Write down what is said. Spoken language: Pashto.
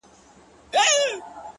خدایه چیري په سفر یې له عالمه له امامه-